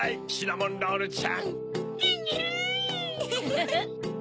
フフフ。